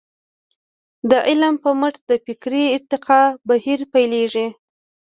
د علم په مټ د فکري ارتقاء بهير پيلېږي.